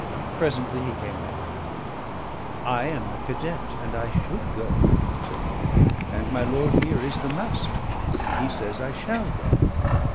Presently he came back. "I am the cadet, and I should go," said he. "And my lord here is the master, and he says I shall go.